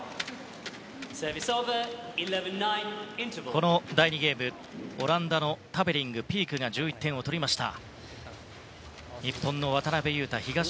この第２ゲーム、オランダのタベリング、ピークが１１点を取りました。